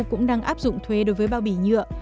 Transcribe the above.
cũng đang áp dụng thuế đối với bao bì nhựa